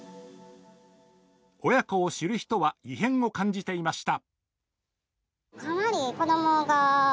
親子を知る人は異変を感じていました。